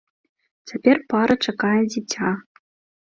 Цяпер пара чакае дзіця.